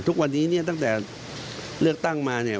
ทุกวันนี้เนี่ยตั้งแต่เลือกตั้งมาเนี่ย